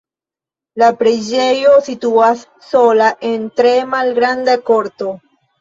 La preĝejo situas sola en tre malgranda korto.